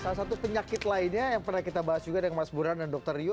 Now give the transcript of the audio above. salah satu penyakit lainnya yang pernah kita bahas juga dengan mas buran dan dr rio